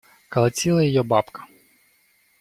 Колотила ее бабка.